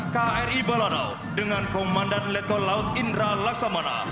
kri balanao dengan komandan letkol laut indra laksamana